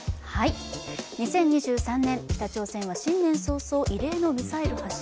２０２３年、北朝鮮は新年早々異例のミサイル発射。